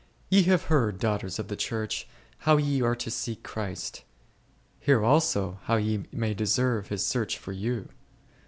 Ye have heard, daughters of the Church, how ye are to seek Christ ; hear also how ye may deserve His search for you.